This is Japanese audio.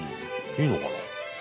いいのかな？